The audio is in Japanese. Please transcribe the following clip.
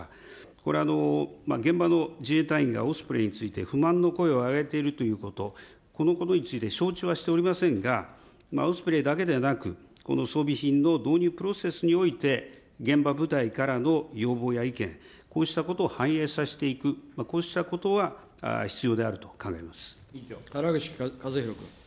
これ現場の自衛隊員やオスプレイについて不満の声を上げているということ、このことについて承知はしておりませんが、オスプレイだけではなく、この装備品の導入プロセスにおいて、現場部隊からの要望や意見、こうしたことを反映させていく、こうしたことが必原口一博君。